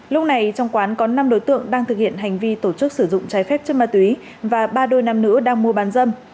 lúc này trong quán có năm đối tượng đang thực hiện hành vi tổ chức sử dụng trái phép chất ma túy và ba đôi nam nữ đang mua bán dâm